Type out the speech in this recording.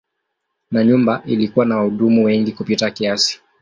Na nyumba ilikuwa na wahudumu wengi kupita kiasi.